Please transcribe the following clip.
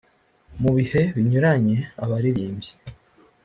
Mu bihe binyuranye abaririmbyi